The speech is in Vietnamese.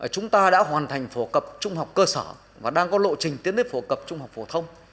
chúng ta đã hoàn thành phổ cập trung học cơ sở và đang có lộ trình tiến đến phổ cập trung học phổ thông